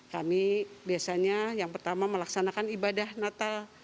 kami biasanya yang pertama melaksanakan ibadah natal